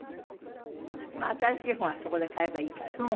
まあ新しい本はそこで買えばいいからね。